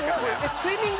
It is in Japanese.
スイミング？